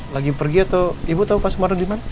lagi pergi atau ibu tahu pak sumarno di mana